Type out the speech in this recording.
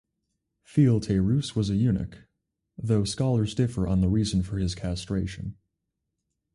Philetaerus was a eunuch, though scholars differ on the reason for his castration.